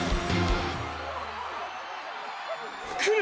来る！！